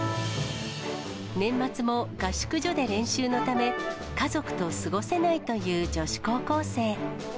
年末も合宿所で練習のため、家族と過ごせないという女子高校生。